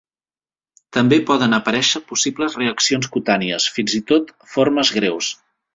També poden aparèixer possibles reaccions cutànies, fins i tot formes greus.